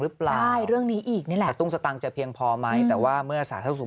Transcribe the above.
หรือเปล่าร่วมนี้แอบตุ้งสตางค์จะเพียงพอไหมแต่ว่ามือสาธารณสุทธิ์